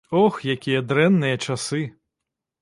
Ох, якія дрэнныя часы!